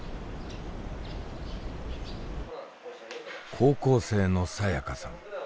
高校生のさやかさん。